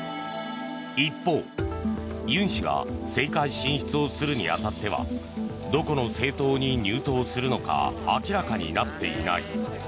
一方、ユン氏が政界進出をするに当たってはどこの政党に入党するのか明らかになっていない。